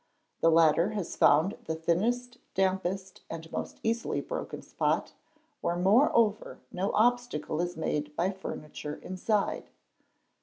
The latter has found the thinnest, dampest, and most easily broken spot, where moreover no obstacle is made by furniture inside.